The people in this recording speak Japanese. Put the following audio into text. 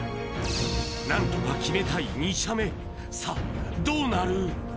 何とか決めたい２射目さあどうなる？